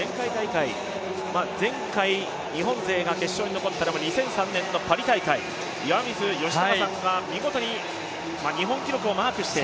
前回日本勢が決勝に残ったのは２００３年のパリ大会岩水嘉孝さんが見事に日本記録をマークして。